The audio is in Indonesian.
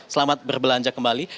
selamat berbelanja kembali